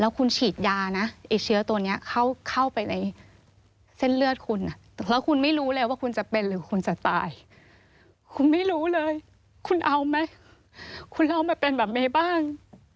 คุณฉีดยานะไอ้เชื้อตัวนี้เข้าไปในเส้นเลือดคุณแล้วคุณไม่รู้เลยว่าคุณจะเป็นหรือคุณจะตายคุณไม่รู้เลยคุณเอาไหมคุณเอามาเป็นแบบนี้บ้าง